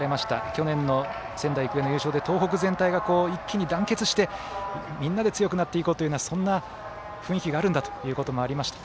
去年の仙台育英の優勝で東北全体が一気に団結して、みんなで強くなっていこうというようなそんな雰囲気があるんだというようなこともありました。